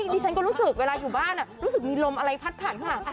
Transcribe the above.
ดิฉันก็รู้สึกเวลาอยู่บ้านรู้สึกมีลมอะไรพัดผ่านข้างหลัง